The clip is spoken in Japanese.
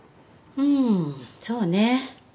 うんそうね。